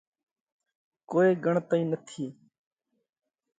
ڪوئي ڳڻتئِي نٿِي۔